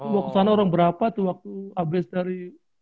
waktu sana orang berapa tuh waktu abis dari